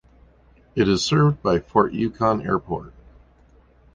It is served by Fort Yukon Airport.